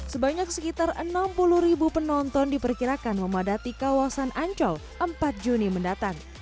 sebanyak sekitar enam puluh ribu penonton diperkirakan memadati kawasan ancol empat juni mendatang